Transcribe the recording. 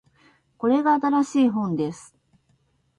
これが新しい本です